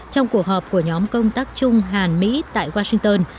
trong cuộc họp của nhóm công tác chung hàn mỹ tại washington